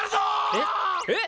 えっえっ？